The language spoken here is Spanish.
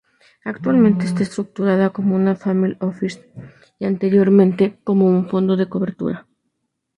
Actualmente está estructurada como una family office y anteriormente como un fondo de cobertura.